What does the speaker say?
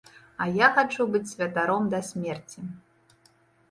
А я хачу быць святаром да смерці.